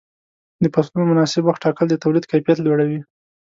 د فصلونو مناسب وخت ټاکل د تولید کیفیت لوړوي.